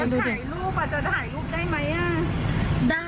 ก็ถ่ายรูปว่าจะถ่ายรูปได้ไหมน่า